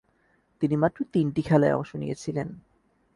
তিনি মাত্র তিনটি খেলায় অংশ নিয়েছিলেন।